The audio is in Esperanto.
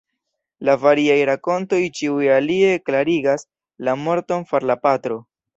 La variaj rakontoj ĉiuj alie klarigas la morton far la patro.